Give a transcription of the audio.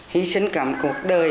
hy sinh cảm cuộc đời